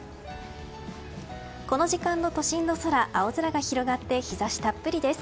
この時間の都心の空青空が広がって日差したっぷりです。